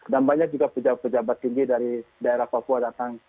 dan banyak juga pejabat pejabat tinggi dari daerah papua datang